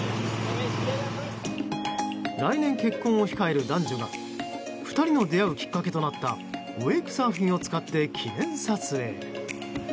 来年、結婚を控える男女が２人の出会うきっかけとなったウェイクサーフィンを使って記念撮影。